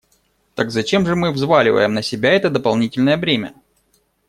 Так зачем же мы взваливаем на себя это дополнительное бремя?